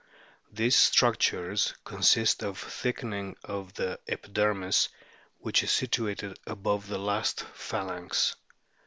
These structures consist of a thickening of the epi dermis, which is situated above the last phalanx.